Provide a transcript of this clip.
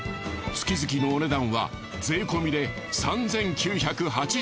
月々のお値段は税込で３，９８０円。